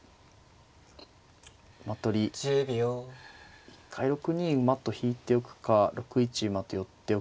馬取り一回６二馬と引いておくか６一馬と寄っておくか。